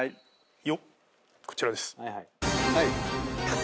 よっこちらです。